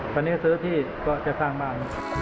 ตอนนี้ซื้อที่ก็จะสร้างบ้าน